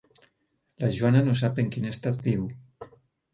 La Joana no sap en quin estat viu.